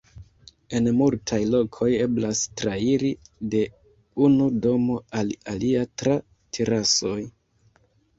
En multaj lokoj eblas trairi de unu domo al alia tra terasoj.